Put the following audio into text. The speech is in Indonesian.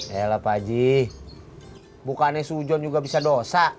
yelah pak jih bukannya seujuan juga bisa dosa